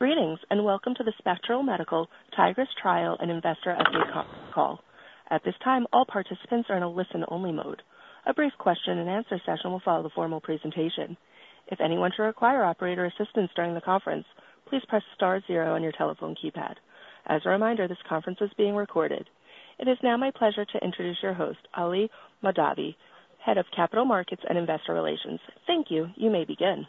Greetings, welcome to the Spectral Medical Tigris Trial and Investor Update Conference Call. At this time, all participants are in a listen-only mode. A brief question-and-answer session will follow the formal presentation. If anyone should require operator assistance during the conference, please press star zero on your telephone keypad. As a reminder, this conference is being recorded. It is now my pleasure to introduce your host, Ali Mahdavi, Head of Capital Markets and Investor Relations. Thank you. You may begin.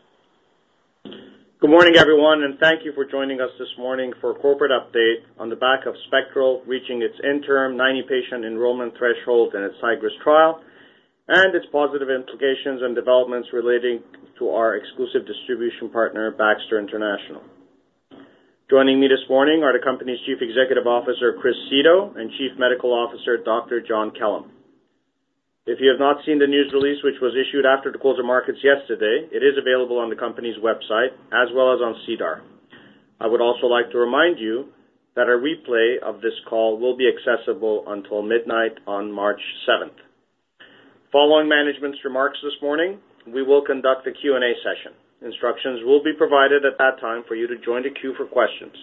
Good morning, everyone. Thank you for joining us this morning for a corporate update on the back of Spectral reaching its interim 90-patient enrollment threshold in its Tigris trial and its positive implications and developments relating to our exclusive distribution partner, Baxter International. Joining me this morning are the company's Chief Executive Officer, Chris Seto, and Chief Medical Officer, Dr. John Kellum. If you have not seen the news release, which was issued after the close of markets yesterday, it is available on the company's website as well as on SEDAR+. I would also like to remind you that a replay of this call will be accessible until midnight on March seventh. Following management's remarks this morning, we will conduct a Q&A session. Instructions will be provided at that time for you to join the queue for questions.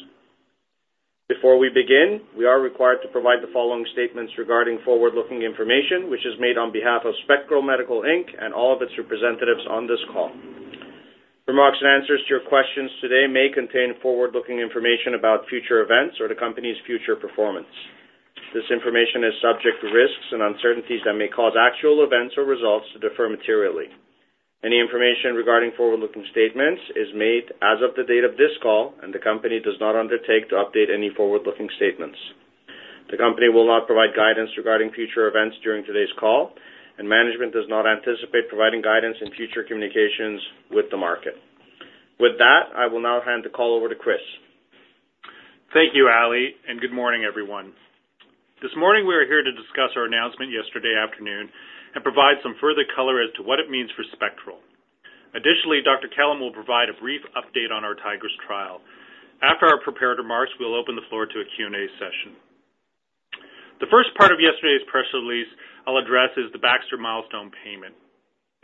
Before we begin, we are required to provide the following statements regarding forward-looking information, which is made on behalf of Spectral Medical Inc. and all of its representatives on this call. Remarks and answers to your questions today may contain forward-looking information about future events or the company's future performance. This information is subject to risks and uncertainties that may cause actual events or results to differ materially. Any information regarding forward-looking statements is made as of the date of this call, and the company does not undertake to update any forward-looking statements. The company will not provide guidance regarding future events during today's call, and management does not anticipate providing guidance in future communications with the market. With that, I will now hand the call over to Chris. Thank you, Ali, and good morning, everyone. This morning, we are here to discuss our announcement yesterday afternoon and provide some further color as to what it means for Spectral. Additionally, Dr. Kellum will provide a brief update on our Tigris trial. After our prepared remarks, we'll open the floor to a Q&A session. The first part of yesterday's press release I'll address is the Baxter milestone payment.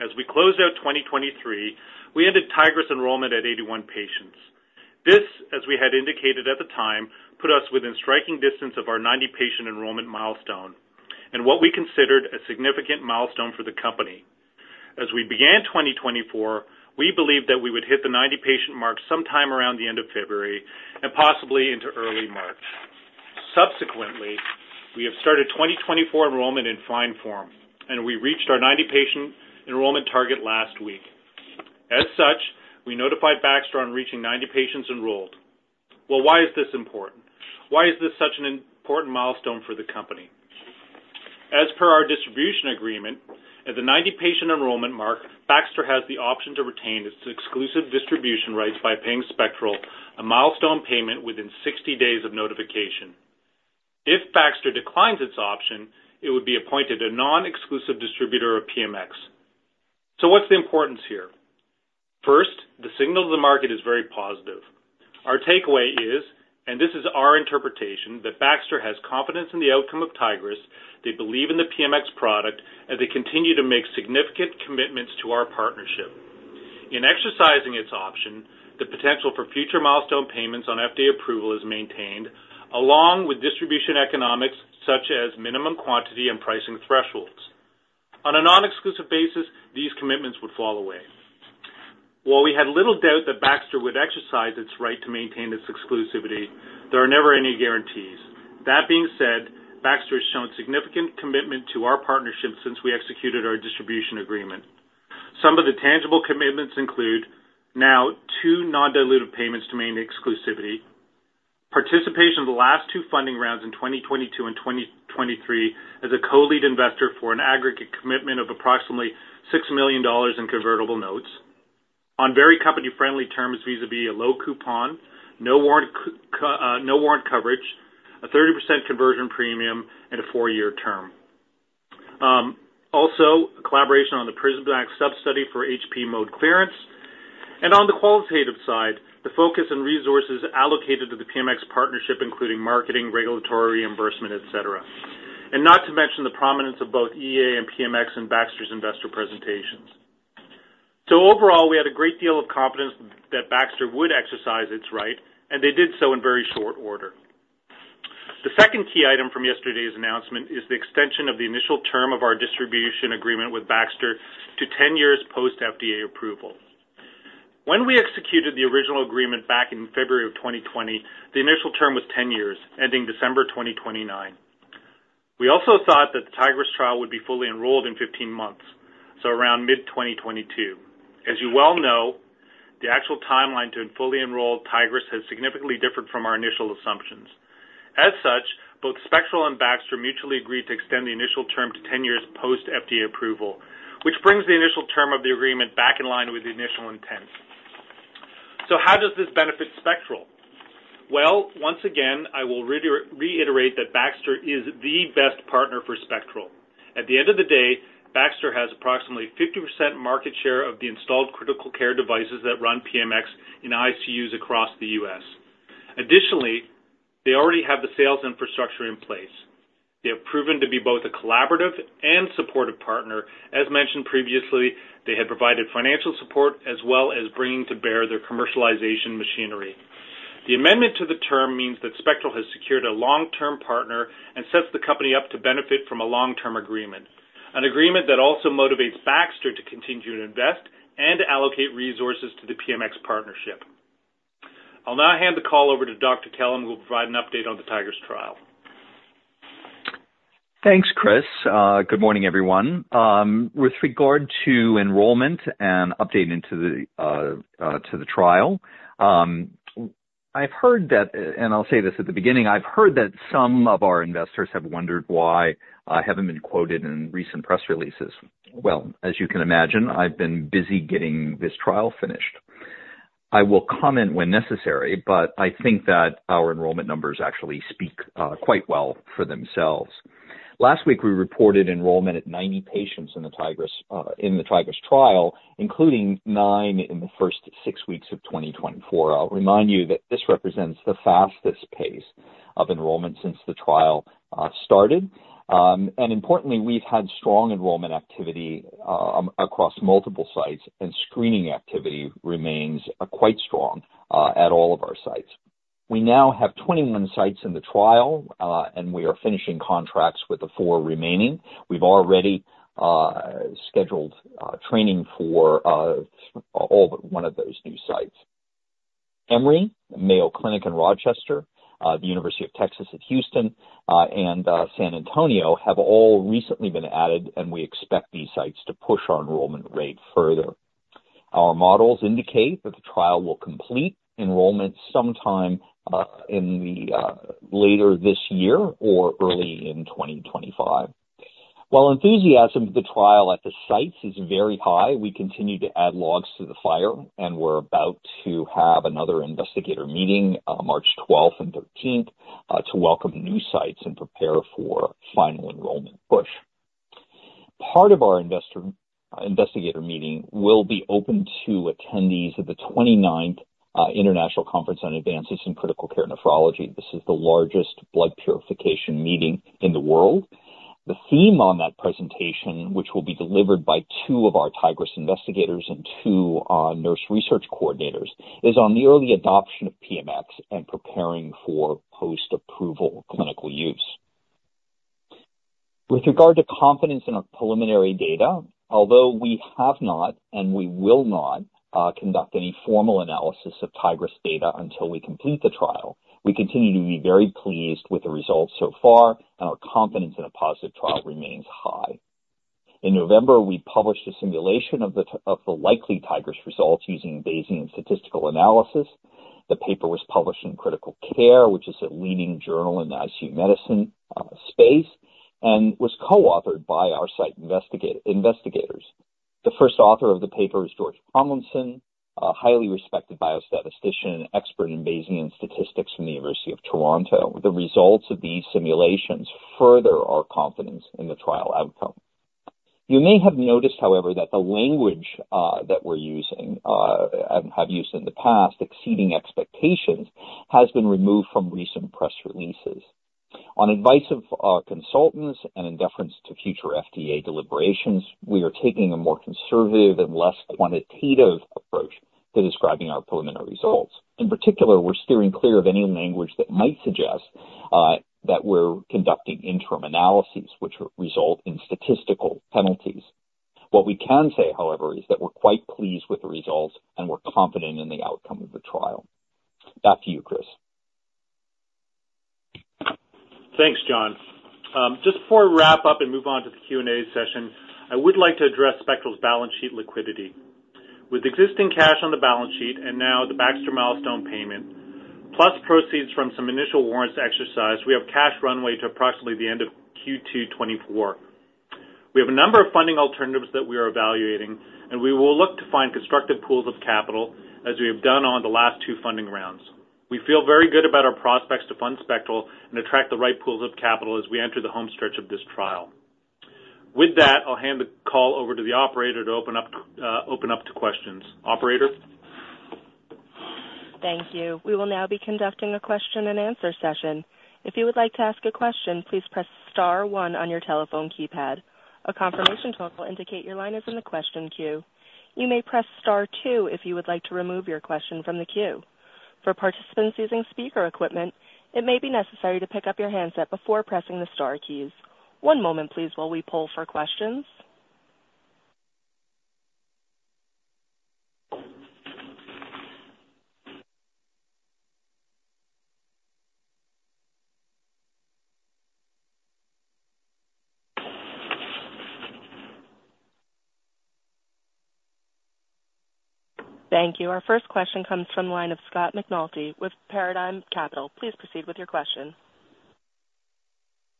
As we closed out 2023, we ended Tigris enrollment at 81 patients. This, as we had indicated at the time, put us within striking distance of our 90-patient enrollment milestone and what we considered a significant milestone for the company. As we began 2024, we believed that we would hit the 90-patient mark sometime around the end of February and possibly into early March. Subsequently, we have started 2024 enrollment in fine form, and we reached our 90-patient enrollment target last week. As such, we notified Baxter on reaching 90 patients enrolled. Well, why is this important? Why is this such an important milestone for the company? As per our distribution agreement, at the 90-patient enrollment mark, Baxter has the option to retain its exclusive distribution rights by paying Spectral a milestone payment within 60 days of notification. If Baxter declines its option, it would be appointed a non-exclusive distributor of PMX. What's the importance here? First, the signal to the market is very positive. Our takeaway is, and this is our interpretation, that Baxter has confidence in the outcome of Tigris, they believe in the PMX product, and they continue to make significant commitments to our partnership. In exercising its option, the potential for future milestone payments on FDA approval is maintained, along with distribution economics such as minimum quantity and pricing thresholds. On a non-exclusive basis, these commitments would fall away. While we had little doubt that Baxter would exercise its right to maintain its exclusivity, there are never any guarantees. Baxter has shown significant commitment to our partnership since we executed our distribution agreement. Some of the tangible commitments include two non-dilutive payments to maintain exclusivity and participation in the last two funding rounds in 2022 and 2023 as a co-lead investor for an aggregate commitment of approximately 6 million dollars in convertible notes on very company-friendly terms vis-à-vis a low coupon, no warrant coverage, a 30% conversion premium, and a four-year term. Also, collaboration on the PrisMax sub-study for HP mode clearance. On the qualitative side, the focus and resources are allocated to the PMX partnership, including marketing, regulatory reimbursement, etc. Not to mention the prominence of both EAA and PMX in Baxter's investor presentations. Overall, we had a great deal of confidence that Baxter would exercise its right, and they did so in very short order. The second key item from yesterday's announcement is the extension of the initial term of our distribution agreement with Baxter to 10 years post FDA approval. When we executed the original agreement back in February of 2020, the initial term was 10 years, ending December 2029. We also thought that the Tigris trial would be fully enrolled in 15 months, around mid-2022. As you well know, the actual timeline to have fully enrolled Tigris has significantly differed from our initial assumptions. Both Spectral and Baxter mutually agreed to extend the initial term to 10 years post FDA approval, which brings the initial term of the agreement back in line with the initial intent. How does this benefit Spectral? Well, once again, I will reiterate that Baxter is the best partner for Spectral. At the end of the day, Baxter has approximately 50% market share of the installed critical care devices that run PMX in ICUs across the U.S. They already have proven to be both a collaborative and supportive partner. As mentioned previously, they had provided financial support as well as bringing to bear their commercialization machinery. The amendment to the term means that Spectral has secured a long-term partner and sets the company up to benefit from a long-term agreement, an agreement that also motivates Baxter to continue to invest and allocate resources to the PMX partnership. I'll now hand the call over to Dr. Kellum, who will provide an update on the Tigris trial. Thanks, Chris. Good morning, everyone. With regard to enrollment and updating to the trial, and I'll say this at the beginning, I've heard that some of our investors have wondered why I haven't been quoted in recent press releases. Well, as you can imagine, I've been busy getting this trial finished. I will comment when necessary, but I think that our enrollment numbers actually speak quite well for themselves. Last week, we reported enrollment at 90 patients in the Tigris trial, including nine in the first six weeks of 2024. I'll remind you that this represents the fastest pace of enrollment since the trial started. Importantly, we've had strong enrollment activity across multiple sites, and screening activity remains quite strong at all of our sites. We now have 21 sites in the trial, and we are finishing contracts with the four remaining. We've already scheduled training for all but one of those new sites. Emory, Mayo Clinic in Rochester, the University of Texas at Houston, and San Antonio have all recently been added, and we expect these sites to push our enrollment rate further. Our models indicate that the trial will complete enrollment sometime later this year or early in 2025. While enthusiasm for the trial at the sites is very high, we continue to add logs to the fire, and we're about to have another investigator meeting on March 12th and 13th to welcome new sites and prepare for the final enrollment push. Part of our investigator meeting will be open to attendees of the 29th International Conference on Advances in Critical Care Nephrology. This is the largest blood purification meeting in the world. The theme of that presentation, which will be delivered by two of our Tigris investigators and two nurse research coordinators, is on the early adoption of PMX and preparing for post-approval clinical use. With regard to confidence in our preliminary data, although we have not and we will not conduct any formal analysis of Tigris data until we complete the trial, we continue to be very pleased with the results so far, and our confidence in a positive trial remains high. In November, we published a simulation of the likely Tigris results using Bayesian statistical analysis. The paper was published in Critical Care, which is a leading journal in the ICU medicine space and was co-authored by our site investigators. The first author of the paper is George Tomlinson, a highly respected biostatistician and expert in Bayesian statistics from the University of Toronto. The results of these simulations further our confidence in the trial outcome. You may have noticed, however, that the language that we're using and have used in the past, exceeding expectations, has been removed from recent press releases. On advice of our consultants and in deference to future FDA deliberations, we are taking a more conservative and less quantitative approach to describing our preliminary results. In particular, we're steering clear of any language that might suggest that we're conducting interim analyses that result in statistical penalties. What we can say, however, is that we're quite pleased with the results and we're confident in the outcome of the trial. Back to you, Chris. Thanks, John. Just before I wrap up and move on to the Q&A session, I would like to address Spectral's balance sheet liquidity. With existing cash on the balance sheet and now the Baxter milestone payment, plus proceeds from some initial warrant exercises, we have cash runway to approximately the end of Q2 2024. We have a number of funding alternatives that we are evaluating, and we will look to find constructive pools of capital as we have done in the last two funding rounds. We feel very good about our prospects to fund Spectral and attract the right pools of capital as we enter the home stretch of this trial. With that, I'll hand the call over to the operator to open up to questions. Operator? Thank you. We will now be conducting a question-and-answer session. If you'd like to ask a question, please press star one on your telephone keypad. A confirmation call will indicate your line is in the question queue. You may press star two if you would like to remove your question from the queue for participants using speaker equipment, it may be necessary to pick up your handset before pressing the star keys. one moment please while we poll for questions. Thank you. Our first question comes from the line of Scott McAuley with Paradigm Capital. Please proceed with your question.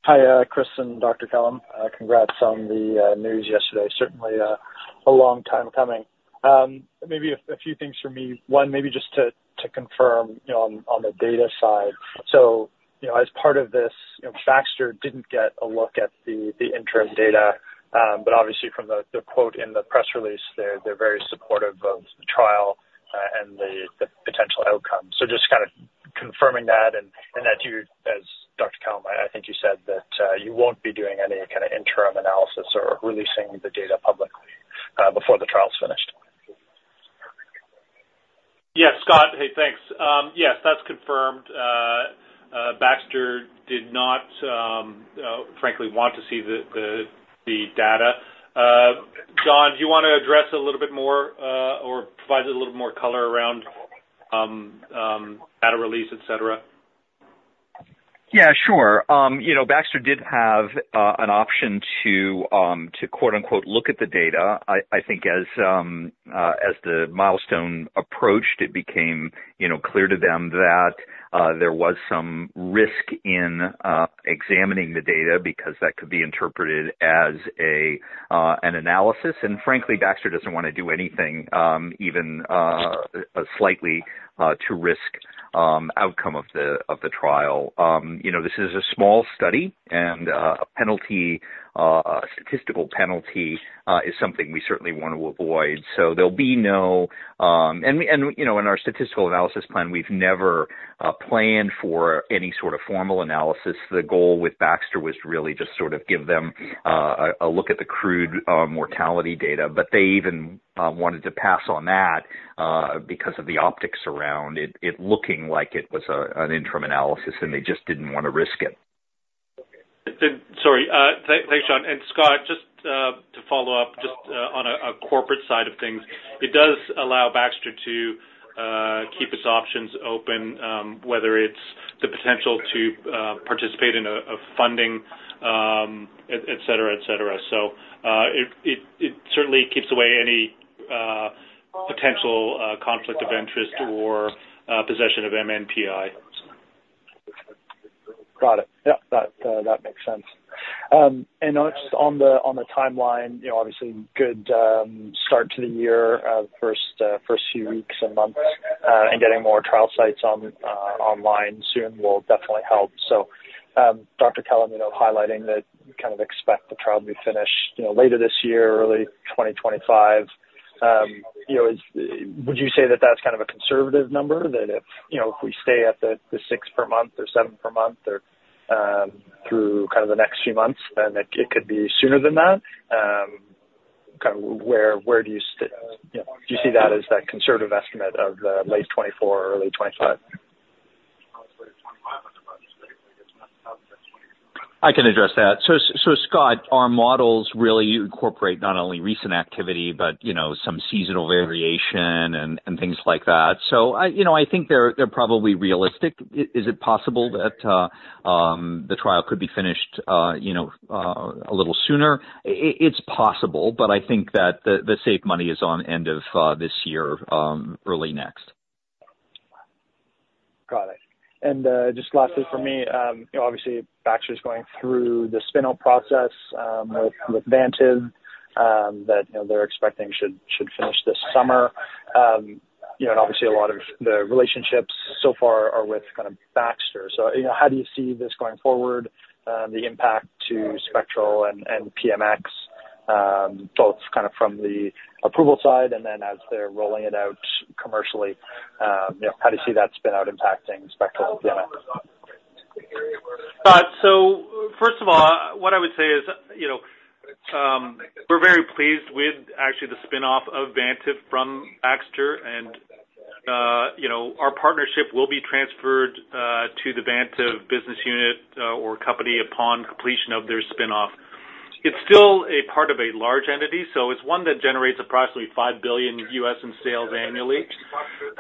Hi, Chris and Dr. Kellum. Congrats on the news yesterday. Certainly a long time coming. Maybe a few things for me. One, maybe just to confirm on the data side. As part of this, Baxter didn't get a look at the interim data, but obviously from the quote in the press release, they're very supportive of the potential outcome. Just kind of confirming that, and that you, as Dr. Kellum, I think you said that you won't be doing any kind of interim analysis or releasing the data publicly before the trial's finished. Yes, Scott. Hey, thanks. Yes, that's confirmed. Baxter did not frankly want to see the data. John, do you want to address a little bit more or provide a little more color around data release, et cetera? Yeah, sure. Baxter did have an option to look at the data. I think as the milestone approached, it became clear to them that there was some risk in examining the data because that could be interpreted as an analysis. Frankly, Baxter doesn't want to do anything even slightly to risk the outcome of the trial. This is a small study. A statistical penalty is something we certainly want to avoid. In our statistical analysis plan, we've never planned for any sort of formal analysis. The goal with Baxter was really just to sort of give them a look at the crude mortality data. They even wanted to pass on that because of the optics around it looking like it was an interim analysis, and they just didn't want to risk it. Sorry. Thanks, Scott, just to follow up on the corporate side of things, it does allow Baxter to keep its options open, whether it's the potential to participate in funding, et cetera. It certainly keeps away any potential conflict of interest or possession of MNPI. Got it. Yep, that makes sense. On the timeline, obviously a good start to the year, the first few weeks and months, getting more trial sites online soon will definitely help. Dr. Kellum, highlighting that you kind of expect the trial to be finished later this year, early 2025. Would you say that that's kind of a conservative number? That if we stay at six per month or seven per month through the next few months, then it could be sooner than that? Do you see that as that conservative estimate of late 2024 or early 2025? I can address that. Scott, our models really incorporate not only recent activity but some seasonal variation and things like that. I think they're probably realistic. Is it possible that the trial could be finished a little sooner? It's possible, but I think that the safe money is on the end of this year or early next. Got it. Just lastly from me, obviously Baxter's going through the spin-out process with Vantive that they're expecting should finish this summer. Obviously a lot of the relationships so far are with kind of Baxter. How do you see this going forward, the impact on Spectral and PMX, both kind of from the approval side and then as they're rolling it out commercially, how do you see that spinout impacting Spectral and PMX? First of all, what I would say is we're very pleased with actually the spin-off of Vantive from Baxter. Our partnership will be transferred to the Vantive business unit or company upon completion of their spin-off. It's still a part of a large entity, so it's one that generates approximately $5 billion in sales annually.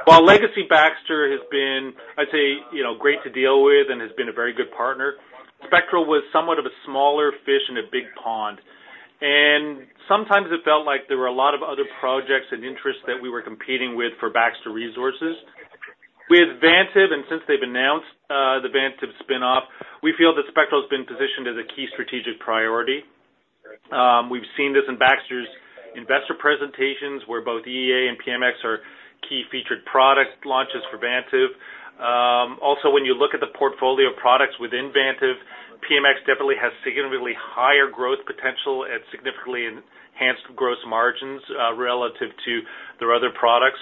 While Legacy Baxter has been, I'd say, great to deal with and has been a very good partner, Spectral was somewhat of a smaller fish in a big pond. Sometimes it felt like there were a lot of other projects and interests that we were competing with for Baxter resources. With Vantive, and since they've announced the Vantive spin-off, we feel that Spectral's been positioned as a key strategic priority. We've seen this in Baxter's investor presentations, where both EAA and PMX are key featured product launches for Vantive. When you look at the portfolio of products within Vantive, PMX definitely has significantly higher growth potential and significantly enhanced gross margins relative to their other products.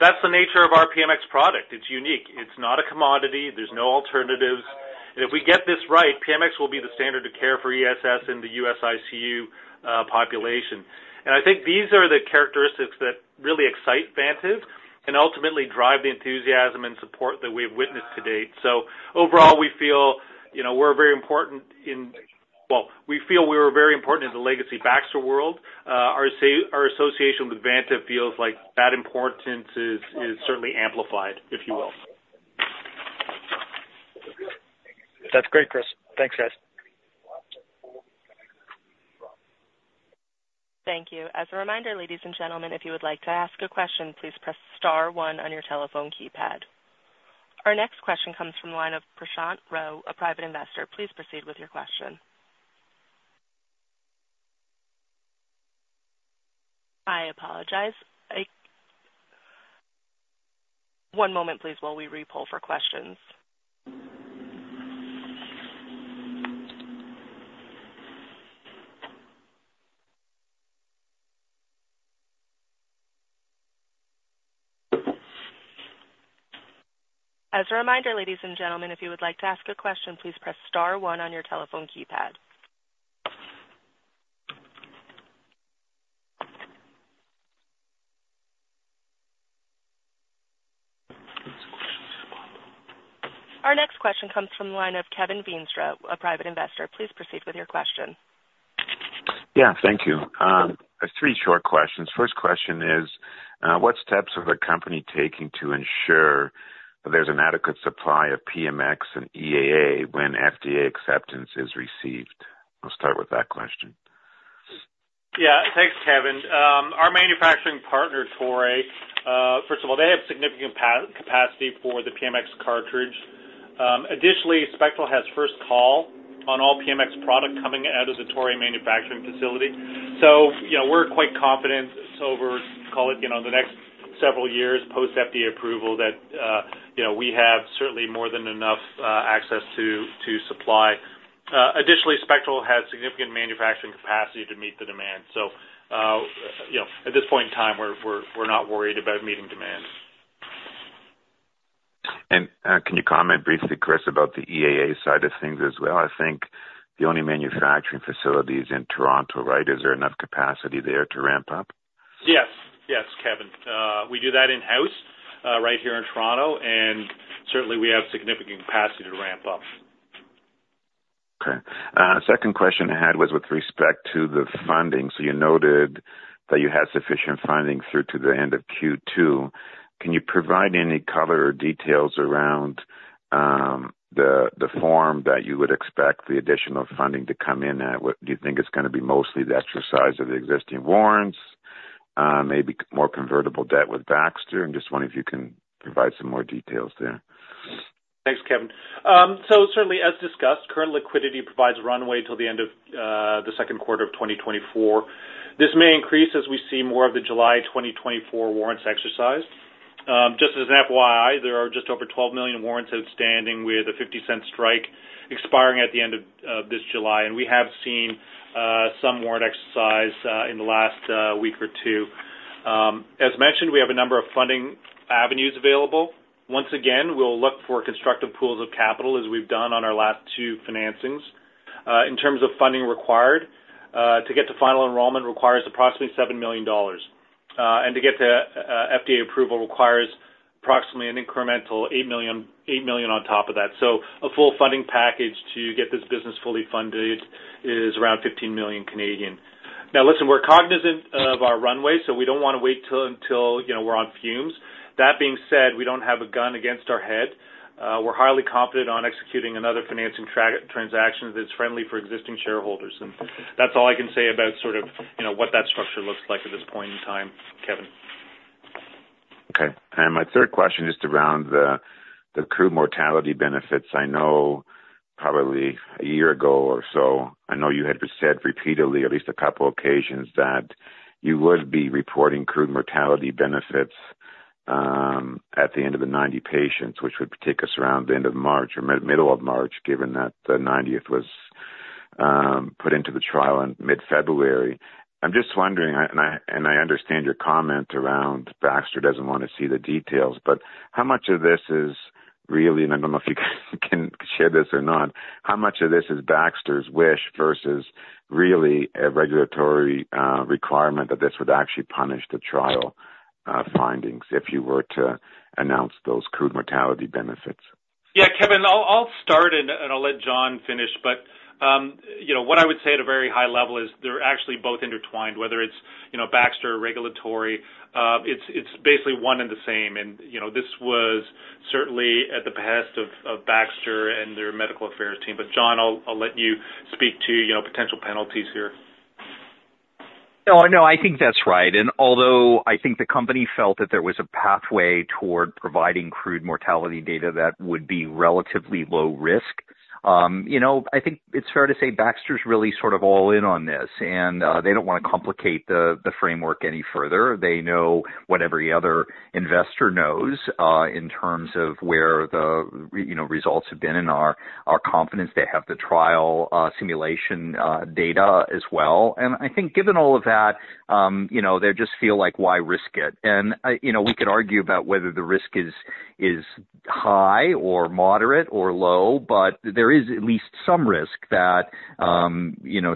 That's the nature of our PMX product. It's unique. It's not a commodity. There are no alternatives. If we get this right, PMX will be the standard of care for ESS in the U.S. ICU population. I think these are the characteristics that really excite Vantive and ultimately drive the enthusiasm and support that we've witnessed to date. Overall, we feel we were very important in the Legacy Baxter world. Our association with Vantive feels like that importance is certainly amplified, if you will. That's great, Chris. Thanks, guys. Thank you. As a reminder, ladies and gentlemen, if you would like to ask a question, please press star one on your telephone keypad. Our next question comes from the line of Prashant Rao, a private investor. Please proceed with your question. I apologize. One moment, please, while we re-poll for questions. As a reminder, ladies and gentlemen, if you would like to ask a question, please press star one on your telephone keypad. Our next question comes from the line of Kevin Veenstra, a private investor. Please proceed with your question. Yeah, thank you. I have three short questions. First question is, what steps is the company taking to ensure that there is an adequate supply of PMX and EAA when FDA acceptance is received? I will start with that question. Thanks, Kevin. Our manufacturing partner, Toray, first of all, they have significant capacity for the PMX cartridge. Additionally, Spectral has first call on all PMX product coming out of the Toray manufacturing facility. We're quite confident over, call it, the next several years post FDA approval that we have certainly more than enough access to supply. Additionally, Spectral has significant manufacturing capacity to meet the demand. At this point in time, we're not worried about meeting demand. Can you comment briefly, Chris, about the EAA side of things as well? I think the only manufacturing facility is in Toronto, right? Is there enough capacity there to ramp up? Yes. Kevin, we do that in-house, right here in Toronto, and certainly, we have significant capacity to ramp up. Okay. Second question I had was with respect to the funding. You noted that you had sufficient funding through to the end of Q2. Can you provide any color or details around the form that you would expect the additional funding to come in at? Do you think it's going to be mostly the exercise of the existing warrants, maybe more convertible debt with Baxter? I'm just wondering if you can provide some more details there. Thanks, Kevin. Certainly, as discussed, current liquidity provides a runway till the end of the second quarter of 2024. This may increase as we see more of the July 2024 warrants exercised. Just as an FYI, there are just over 12 million warrants outstanding with a 0.50 strike expiring at the end of this July. We have seen some warrant exercise in the last week or two. As mentioned, we have a number of funding avenues available. Once again, we will look for constructive pools of capital as we have done on our last two financings. In terms of funding required, to get to final enrollment requires approximately 7 million dollars. Getting the FDA approval requires approximately an incremental 8 million on top of that. A full funding package to get this business fully funded is around 15 million Canadian dollars. Listen, we're cognizant of our runway, so we don't want to wait until we're on fumes. That being said, we don't have a gun against our head. We're highly confident in executing another financing transaction that's friendly for existing shareholders. That's all I can say about sort of what that structure looks like at this point in time, Kevin. Okay. My third question is around the crude mortality benefits. I know probably a year ago or so, I know you had said repeatedly, at least on a couple of occasions, that you would be reporting crude mortality benefits at the end of the 90 patients, which would take us around the end of March or mid-March, given that the 90th was put into the trial in mid-February. I'm just wondering, and I understand your comment around Baxter not wanting to see the details, but how much of this is really, and I don't know if you can share this or not, how much of this is Baxter's wish versus really a regulatory requirement that this would actually punish the trial findings if you were to announce those crude mortality benefits? Yeah, Kevin, I'll start and I'll let John finish. What I would say at a very high level is they're actually both intertwined, whether it's Baxter or regulatory. It's basically one and the same. This was certainly at the behest of Baxter and their medical affairs team. John, I'll let you speak to potential penalties here. No, I think that's right. Although I think the company felt that there was a pathway toward providing crude mortality data that would be relatively low risk, I think it's fair to say Baxter's really sort of all in on this. They don't want to complicate the framework any further. They know what every other investor knows, in terms of where the results have been and our confidence. They have the trial simulation data as well. I think given all of that, they just feel like why risk it? We could argue about whether the risk is high, moderate, or low, but there is at least some risk that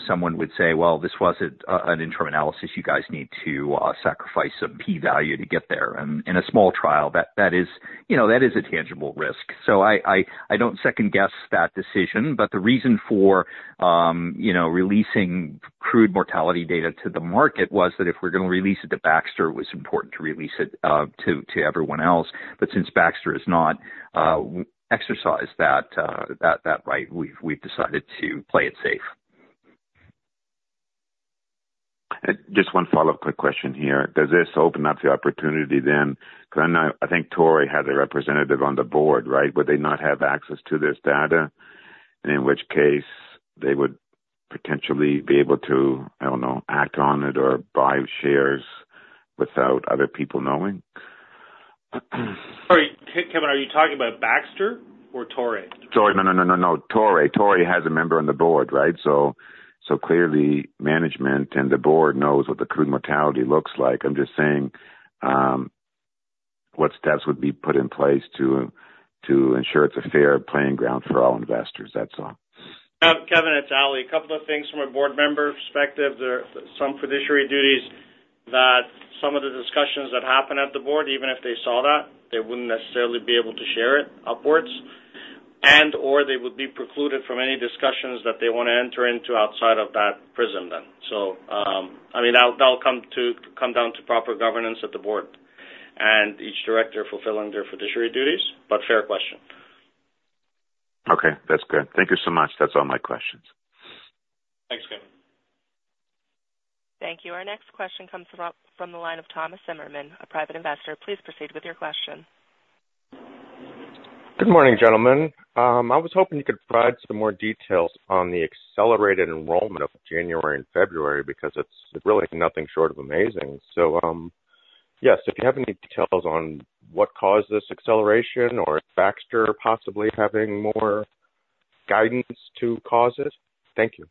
someone would say, Well, this wasn't an interim analysis. You guys need to sacrifice some p-value to get there. In a small trial, that is a tangible risk. I don't second-guess that decision. The reason for releasing crude mortality data to the market was that if we were going to release it to Baxter, it was important to release it to everyone else. Since Baxter has not exercised that right, we've decided to play it safe. Just one follow-up quick question here. Does this open up the opportunity then, because I know, I think Toray has a representative on the board, right? Would they not have access to this data? In which case they would potentially be able to, I don't know, act on it or buy shares without other people knowing? Sorry, Kevin, are you talking about Baxter or Toray? Toray. No. Toray has a member on the board, right? Clearly, management and the board know what the crude mortality looks like. I'm just saying, what steps would be put in place to ensure it's a fair playing ground for all investors? That's all. Kevin, it's Ali. A couple of things from a board member perspective. There are some fiduciary duties that some of the discussions that happen at the board, even if they saw that, they wouldn't necessarily be able to share it upwards, and/or they would be precluded from any discussions that they want to enter into outside of that prism then. That'll come down to proper governance of the board and each director fulfilling their fiduciary duties. Fair question. Okay, that's good. Thank you so much. That's all my questions. Thanks, Kevin. Thank you. Our next question comes from the line of Thomas Zimmerman, a private investor. Please proceed with your question. Good morning, gentlemen. I was hoping you could provide some more details on the accelerated enrollment of January and February, because it's really nothing short of amazing. Yes, if you have any details on what caused this acceleration or is Baxter possibly having more guidance to cause it? Thank you.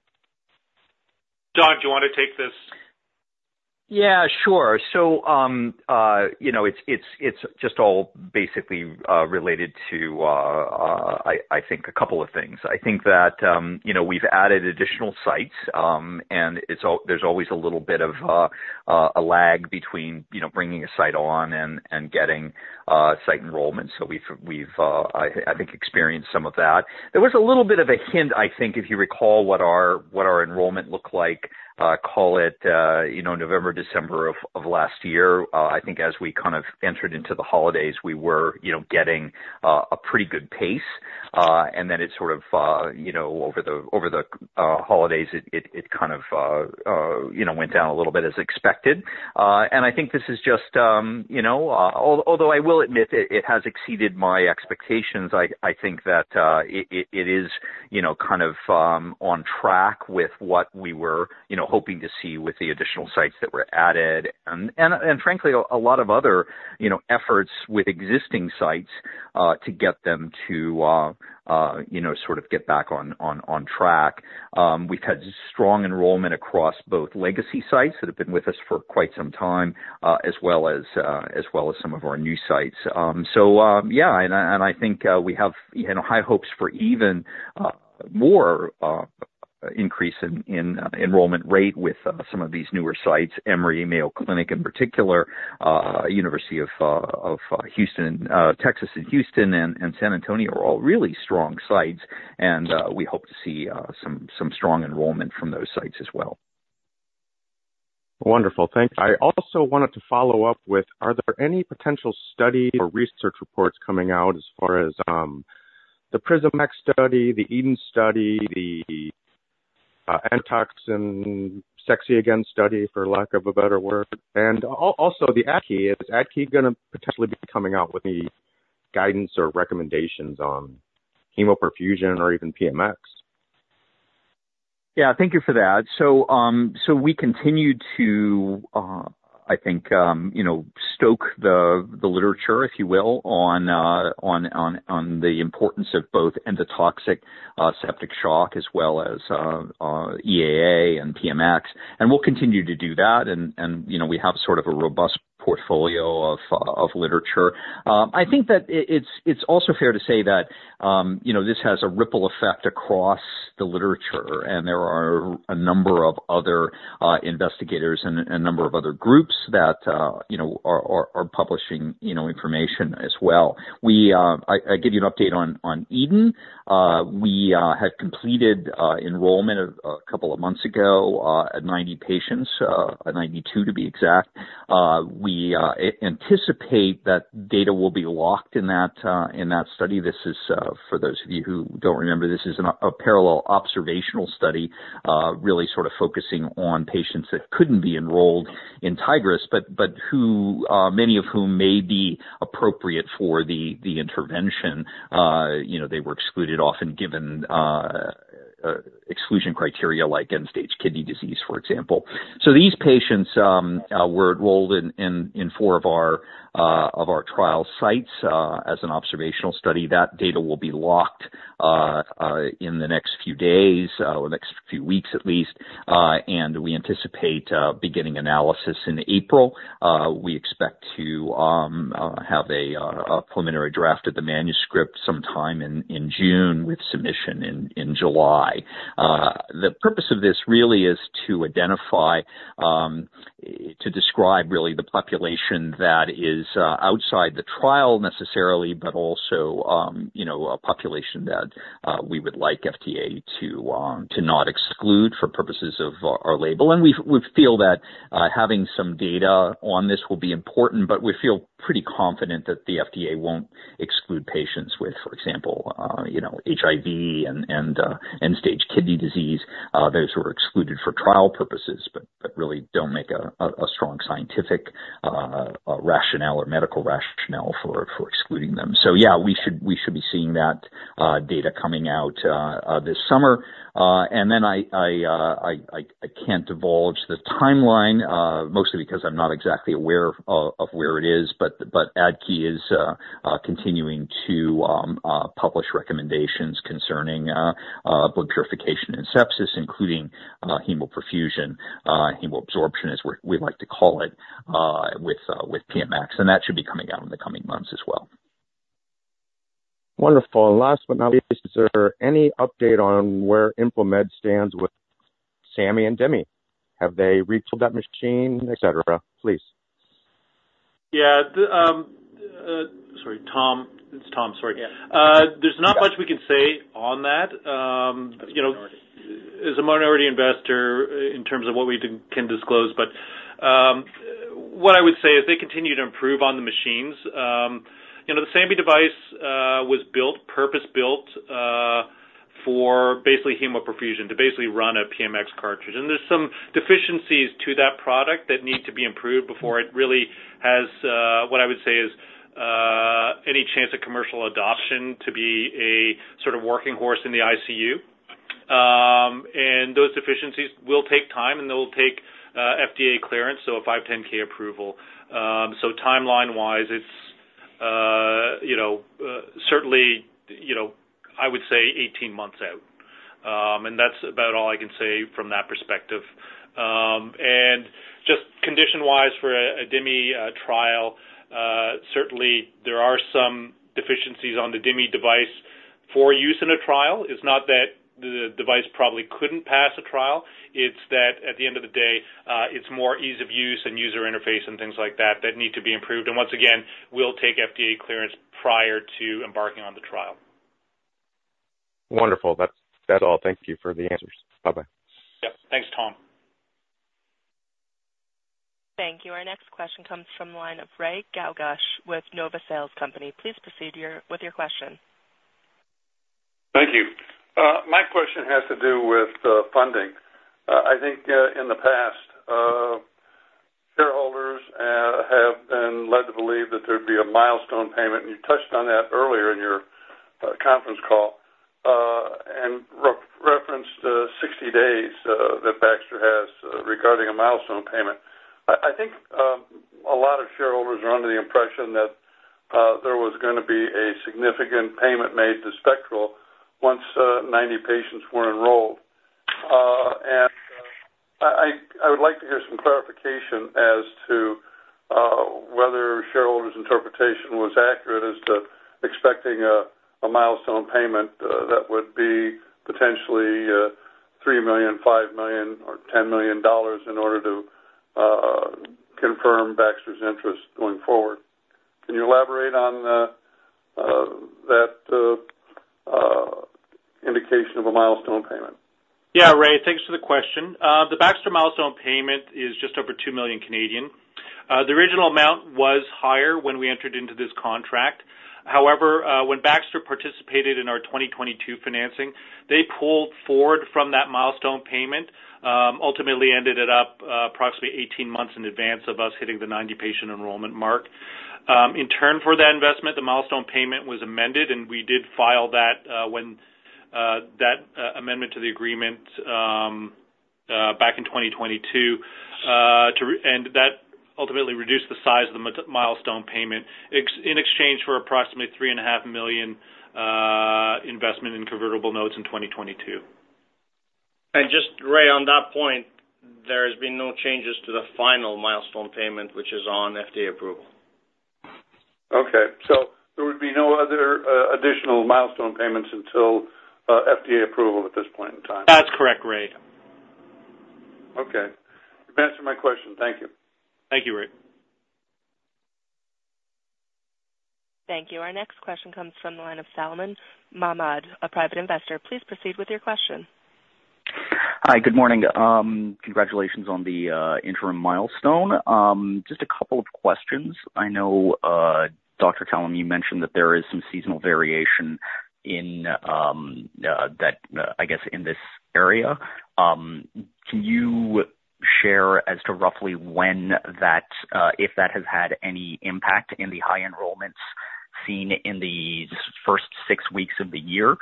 John, do you want to take this? Yeah, sure. It's just all basically related to, I think, a couple of things. I think that we've added additional sites, there's always a little bit of a lag between bringing a site on and getting site enrollment. We've, I think, experienced some of that. There was a little bit of a hint, I think, if you recall what our enrollment looked like, call it November, December of last year. I think as we kind of entered into the holidays, we were getting a pretty good pace. It sort of over the holidays, it kind of went down a little bit as expected. Although I will admit it has exceeded my expectations, I think that it is kind of on track with what we were hoping to see with the additional sites that were added and frankly, a lot of other efforts with existing sites to get them to sort of get back on track. We've had strong enrollment across both legacy sites that have been with us for quite some time, as well as some of our new sites. Yeah. I think we have high hopes for even more increase in enrollment rate with some of these newer sites. Emory, Mayo Clinic in particular, University of Texas in Houston, and San Antonio are all really strong sites, and we hope to see some strong enrollment from those sites as well. Wonderful. Thank you. I also wanted to follow up with, are there any potential studies or research reports coming out as far as the PrisMax study, the EDEN study, or the Endotoxin Activity Assay study, for lack of a better word? Also, is ADQI going to potentially be coming out with any guidance or recommendations on hemoperfusion or even PMX? Yeah, thank you for that. We continue to, I think, stoke the literature, if you will, on the importance of both endotoxic septic shock as well as EAA and PMX, and we'll continue to do that. We have sort of a robust portfolio of literature. I think that it's also fair to say that this has a ripple effect across the literature, and there are a number of other investigators and a number of other groups that are publishing information as well. I give you an update on EDEN. We had completed enrollment a couple of months ago, at 90 patients, 92 to be exact. We anticipate that data will be locked in that study. This is for those of you who don't remember, this is a parallel observational study, really sort of focusing on patients that couldn't be enrolled in Tigris, but many of whom may be appropriate for the intervention. They were excluded, often given exclusion criteria like end-stage kidney disease, for example. These patients were enrolled in four of our trial sites as an observational study. That data will be locked in the next few days or next few weeks at least. We anticipate beginning analysis in April. We expect to have a preliminary draft of the manuscript sometime in June, with submission in July. The purpose of this really is to identify, to describe really, the population that is not outside the trial necessarily, but also a population that we would like the FDA to not exclude for purposes of our label. We feel that having some data on this will be important, but we feel pretty confident that the FDA won't exclude patients with, for example, HIV and end-stage kidney disease. Those who are excluded for trial purposes really don't make a strong scientific rationale or medical rationale for excluding them. We should be seeing that data coming out this summer. I can't divulge the timeline, mostly because I'm not exactly aware of where it is. ADQI is continuing to publish recommendations concerning blood purification and sepsis, including hemoperfusion, hemoadsorption, as we like to call it, with PMX, and that should be coming out in the coming months as well. Wonderful. Last but not least, is there any update on where Infomed stands with SAMI and DIMI? Have they retooled that machine, et cetera? Please. Yeah. Sorry, Tom. It's Tom, sorry. Yeah. There's not much we can say on that. As a minority investor in terms of what we can disclose. But what I would say is they continue to improve on the machines. The SAMI device was purpose-built for basically hemoperfusion, to basically run a PMX cartridge. And there are some deficiencies in that product that need to be improved before it really has, what I would say is, any chance of commercial adoption to be a sort of workhorse in the ICU. And those deficiencies will take time, and they'll take FDA clearance, so a 510 approval. So timeline-wise, it's certainly, I would say, 18 months out. And that's about all I can say from that perspective. And just condition-wise for a DIMI trial, certainly there are some deficiencies on the DIMI device for use in a trial. It's not that the device probably couldn't pass a trial, it's that at the end of the day, it's more ease of use and user interface and things like that that need to be improved. Once again, we'll take FDA clearance prior to embarking on the trial. Wonderful. That's all. Thank you for the answers. Bye-bye. Yep. Thanks, Tom. Thank you. Our next question comes from the line of Ray Gaugush with Nova Sales Company. Please proceed with your question. Thank you. My question has to do with funding. I think in the past, shareholders have been led to believe that there'd be a milestone payment, and you touched on that earlier in your conference call, and referenced 60 days that Baxter has regarding a milestone payment. I think a lot of shareholders are under the impression that there was going to be a significant payment made to Spectral once 90 patients were enrolled. I would like to hear some clarification as to whether shareholders' interpretation was accurate as to expecting a milestone payment that would be potentially 3 million, 5 million, or 10 million dollars in order to confirm Baxter's interest going forward. Can you elaborate on that indication of a milestone payment? Yeah, Ray, thanks for the question. The Baxter milestone payment is just over 2 million. The original amount was higher when we entered into this contract. When Baxter participated in our 2022 financing, they pulled forward from that milestone payment. Ultimately, it ended up approximately 18 months in advance of us hitting the 90-patient enrollment mark. In turn for that investment, the milestone payment was amended, and we did file that when that amendment to the agreement back in 2022. That ultimately reduced the size of the milestone payment in exchange for approximately 3.5 million investment in convertible notes in 2022. Just Ray, on that point, there have been no changes to the final milestone payment, which is on FDA approval. Okay. There would be no other additional milestone payments until FDA approval at this point in time? That's correct, Ray. Okay. You've answered my question. Thank you. Thank you, Ray. Thank you. Our next question comes from the line of Salomon Mahmoud, a private investor. Please proceed with your question. Hi. Good morning. Congratulations on the interim milestone. Just a couple of questions. I know, Dr. Kellum, you mentioned that there is some seasonal variation in that, I guess, in this area. Can you share as to roughly when that, if that has had any impact on the high enrollments seen in the first six weeks of the year?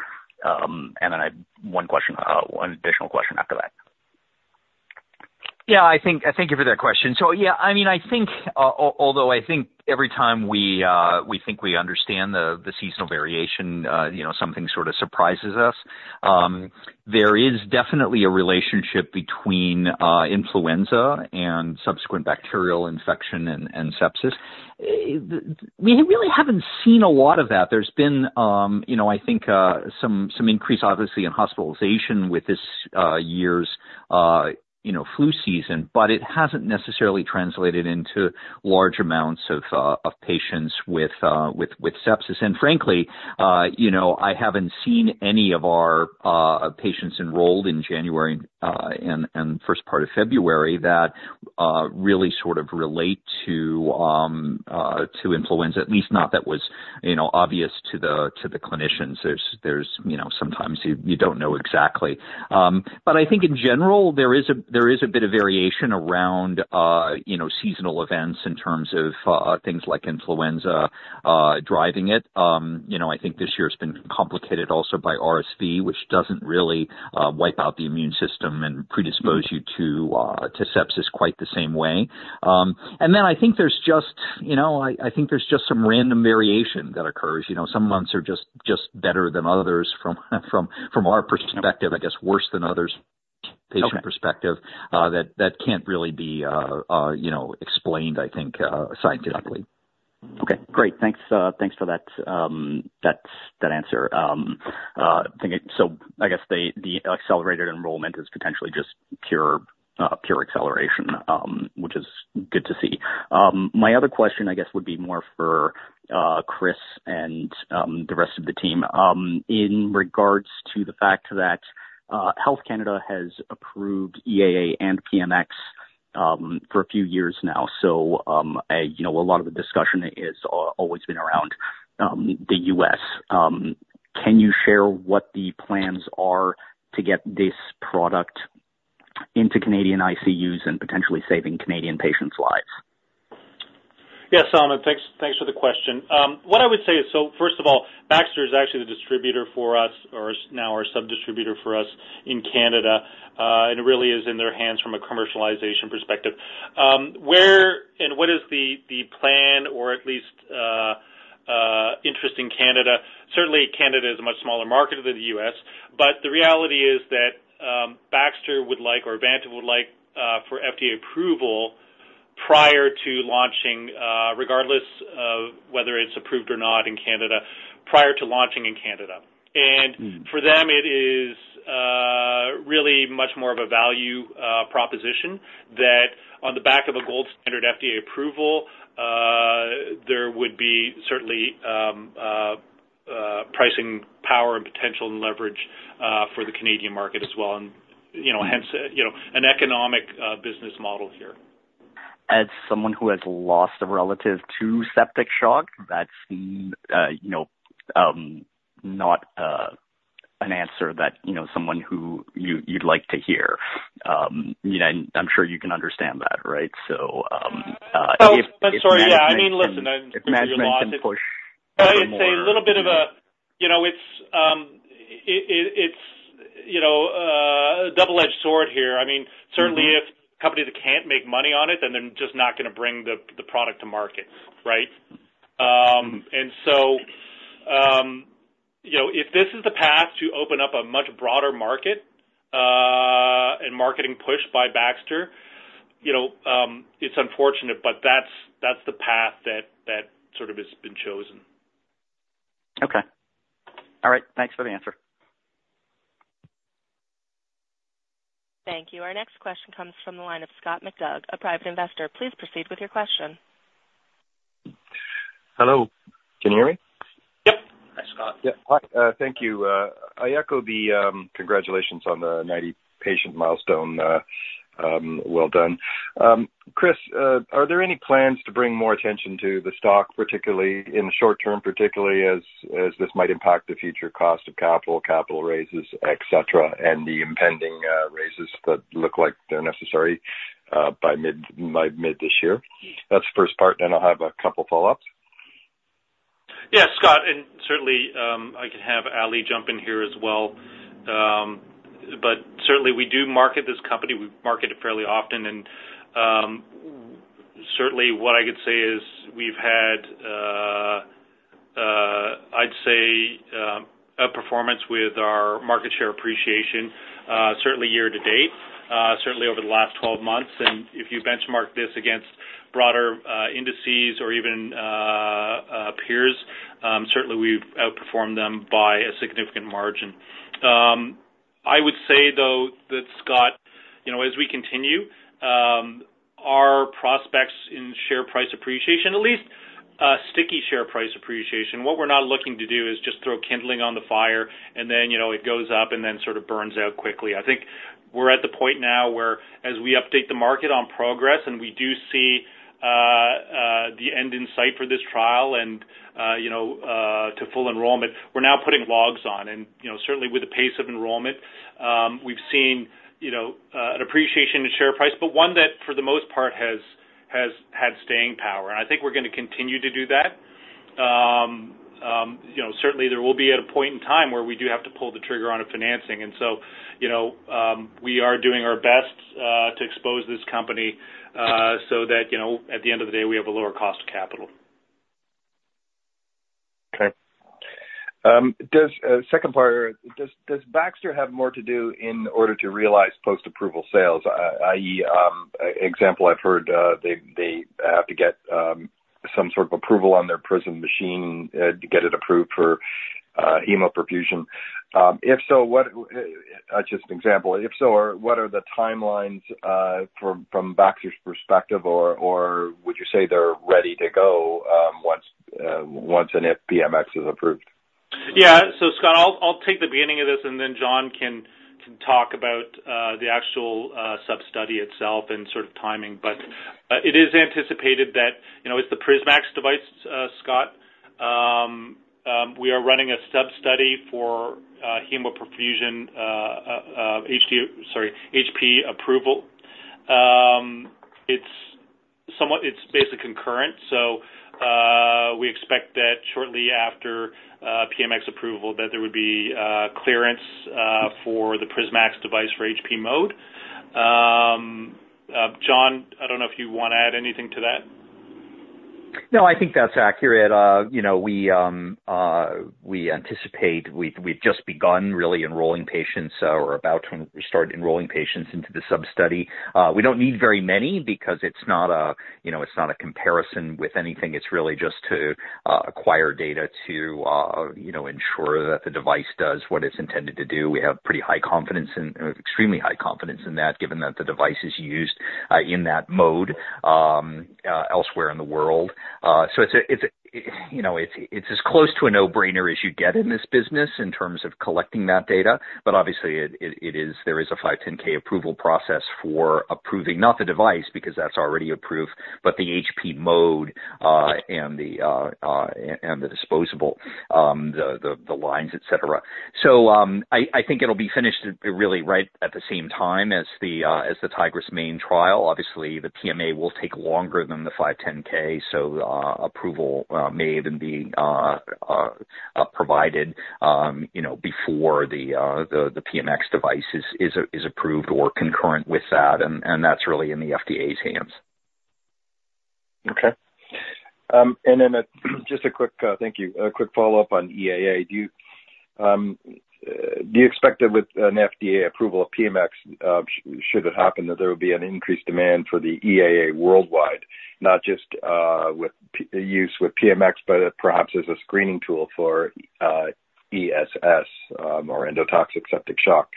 Then I have one additional question after that. Yeah. Thank you for that question. Yeah, although I think every time we think we understand the seasonal variation, something sort of surprises us. There is definitely a relationship between influenza and subsequent bacterial infection and sepsis. We really haven't seen a lot of that. There's been, I think, some increase, obviously, in hospitalization with this year's flu season, but it hasn't necessarily translated into large amounts of patients with sepsis. Frankly, I haven't seen any of our patients enrolled in January and the first part of February that really sort of relate to influenza, at least not that was obvious to the clinicians. Sometimes you don't know exactly. I think in general, there is a bit of variation around seasonal events in terms of things like influenza. driving it. I think this year has been complicated also by RSV, which doesn't really wipe out the immune system and predispose you to sepsis quite the same way. I think there's just some random variation that occurs. Some months are just better than others from our perspective. I guess, worse than others— Okay ...patient perspective, that can't really be explained, I think, scientifically. Okay, great. Thanks for that answer. I guess the accelerated enrollment is potentially just pure acceleration, which is good to see. My other question, I guess, would be more for Chris and the rest of the team in regards to the fact that Health Canada has approved EAA and PMX for a few years now. A lot of the discussion has always been around the U.S. Can you share what the plans are to get this product into Canadian ICUs and potentially saving Canadian patients' lives? Yes, Salomon. Thanks for the question. What I would say is, first of all, Baxter is actually the distributor for us or is now our sub-distributor for us in Canada. It really is in their hands from a commercialization perspective. Where and what is the plan, or at least interest, in Canada? Certainly, Canada is a much smaller market than the U.S., the reality is that Baxter would like, or Vantive would like, FDA approval prior to launching, regardless of whether it's approved in Canada or not prior to launching in Canada. For them, it is really much more of a value proposition that on the back of a gold standard FDA approval, there would be certainly pricing power and potential and leverage for the Canadian market as well, and hence an economic business model here. As someone who has lost a relative to septic shock, that's not an answer that someone would like to hear. I'm sure you can understand that, right? Oh, I'm sorry. Yeah. I mean, listen. If management can push more. It's a little bit of a double-edged sword here. Certainly if companies can't make money on it, then they're just not going to bring the product to market, right? If this is the path to open up a much broader market and marketing push by Baxter, it's unfortunate, but that's the path that sort of has been chosen. Okay. All right. Thanks for the answer. Thank you. Our next question comes from the line of Scott McDoug, a private investor. Please proceed with your question. Hello, can you hear me? Yep. Hi, Scott. Yeah. Hi. Thank you. I echo the congratulations on the 90-patient milestone. Well done. Chris, are there any plans to bring more attention to the stock, particularly in the short term, particularly as this might impact the future cost of capital raises, et cetera, and the impending raises that look like they're necessary by mid this year? That's the first part, I'll have a couple of follow-ups. Yeah, Scott, certainly, I can have Ali jump in here as well. Certainly we do market this company. We market it fairly often; certainly, what I could say is we've had, I'd say, a performance with our market share appreciation, certainly year-to-date, certainly over the last 12 months. If you benchmark this against broader indices or even peers, certainly we've outperformed them by a significant margin. I would say, though, that Scott, as we continue our prospects in share price appreciation, at least sticky share price appreciation. What we're not looking to do is just throw kindling on the fire and then it goes up and then sort of burns out quickly. I think we're at the point now where as we update the market on progress, we do see the end in sight for this trial and to full enrollment. We're now putting logs on. Certainly with the pace of enrollment, we've seen an appreciation in share price, but one that for the most part has had staying power. I think we're going to continue to do that. Certainly there will be a point in time where we do have to pull the trigger on a financing. We are doing our best to expose this company so that at the end of the day, we have a lower cost of capital. Okay. Second part, does Baxter have more to do in order to realize post-approval sales? I.e., an example I've heard, they have to get some sort of approval on their PrisMax machine to get it approved for hemoperfusion. That's just an example. If so, what are the timelines from Baxter's perspective, or would you say they're ready to go once and if PMX is approved? Yeah. Scott, I'll take the beginning of this, and then John can talk about the actual sub-study itself and sort of timing. It is anticipated that with the PrisMax device, Scott, we are running a Hemoperfusion, HP approval. It's basically concurrent. We expect that shortly after PMX approval, there will be clearance for the PrisMax device for HP mode. John, I don't know if you want to add anything to that. No, I think that's accurate. We've just begun really enrolling patients or are about to start enrolling patients into the sub-study. We don't need very many because it's not a comparison with anything. It's really just to acquire data to ensure that the device does what it's intended to do. We have extremely high confidence in that, given that the device is used in that mode elsewhere in the world. It's as close to a no-brainer as you get in this business in terms of collecting that data. Obviously, there is a 510 approval process for approving not the device, because that's already approved, but the HP mode and the disposable, the lines, et cetera. I think it'll be finished really right at the same time as the Tigris main trial. Obviously, the PMA will take longer than the 510, so approval may even be provided before the PMX device is approved or concurrent with that, and that's really in the FDA's hands. Okay. Thank you. A quick follow-up on EAA. Do you expect that with an FDA approval of PMX, should it happen, there would be an increased demand for the EAA worldwide? Not just used with PMX, but perhaps as a screening tool for ESS, or Endotoxic Septic Shock.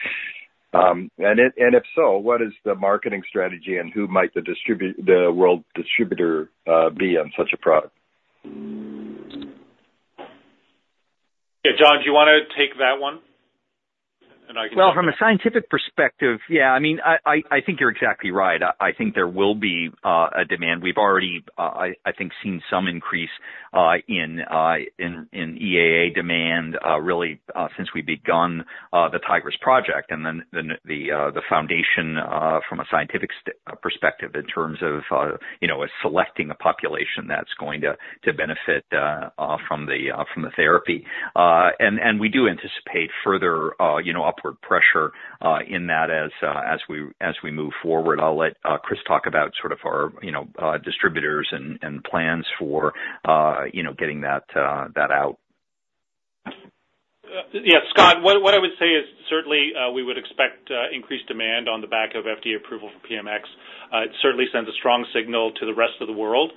If so, what is the marketing strategy, and who might the world distributor be for such a product? Yeah, John, do you want to take that one? Well, from a scientific perspective, yeah. I think you're exactly right. I think there will be a demand. We've already, I think, seen some increase in EAA demand really since we've begun the Tigris project and then the foundation from a scientific perspective in terms of selecting a population that's going to benefit from the therapy. We do anticipate further upward pressure in that as we move forward. I'll let Chris talk about sort of our distributors and plans for getting that out. Yeah, Scott, what I would say is certainly we would expect increased demand on the back of FDA approval for PMX. It certainly sends a strong signal to the rest of the world.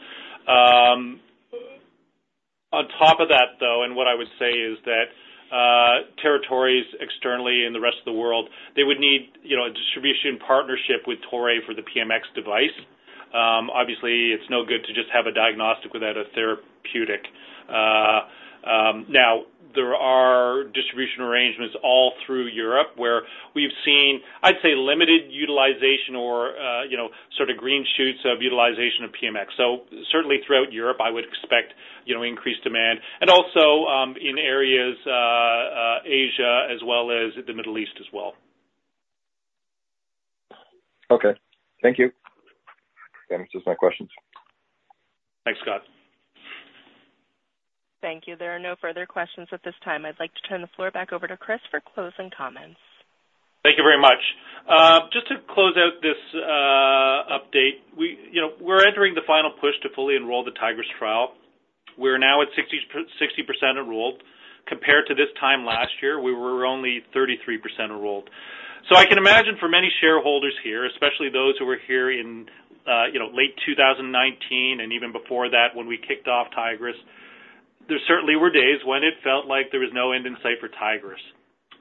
On top of that, though, what I would say is that territories externally in the rest of the world, they would need a distribution partnership with Toray for the PMX device. Obviously, it's no good to just have a diagnosis without a therapy. There are distribution arrangements all through Europe where we've seen, I'd say, limited utilization or sort of green shoots of utilization of PMX. Certainly throughout Europe, I would expect increased demand and also in areas of Asia as well as the Middle East as well. Okay. Thank you. That answers my questions. Thanks, Scott. Thank you. There are no further questions at this time. I'd like to turn the floor back over to Chris for closing comments. Thank you very much. Just to close out this update, we're entering the final push to fully enroll the Tigris trial. We're now at 60% enrolled. Compared to this time last year, we were only 33% enrolled. I can imagine for many shareholders here, especially those who were here in late 2019 and even before that when we kicked off Tigris, there certainly were days when it felt like there was no end in sight for Tigris.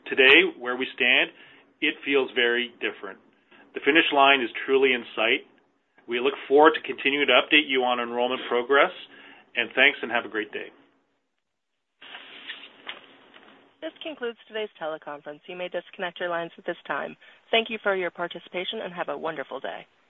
Today, where we stand, it feels very different. The finish line is truly in sight. We look forward to continuing to update you on enrollment progress. Thanks, and have a great day. This concludes today's teleconference. You may disconnect your lines at this time. Thank you for your participation and have a wonderful day.